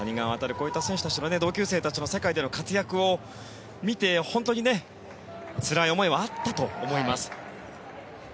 こういった選手たち同級生の世界での活躍を見て本当につらい思いはあったと思います。